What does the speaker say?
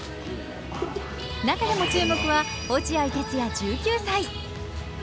中でも注目は落合哲也１９歳。